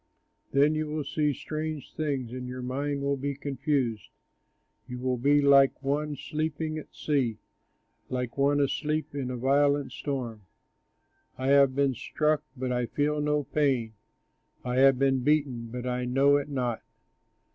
Then you will see strange things, And your mind will be confused. You will be like one sleeping at sea, Like one asleep in a violent storm. "I have been struck, but I feel no pain; I have been beaten, but I know it not.